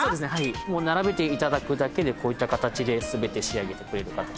もう並べていただくだけでこういった形で全て仕上げてくれる形。